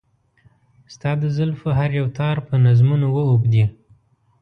ستا د زلفو هر يو تار په نظمونو و اوبدي .